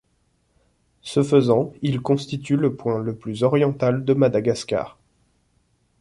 Ce faisant, il constitue le point le plus oriental de Madagascar.